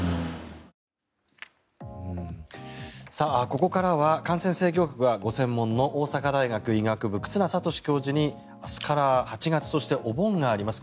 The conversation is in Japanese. ここからは感染制御学がご専門の大阪大学医学部忽那賢志教授に明日から８月としてお盆があります。